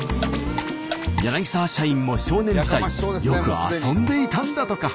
柳沢社員も少年時代よく遊んでいたんだとか。